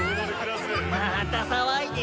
また騒いでる。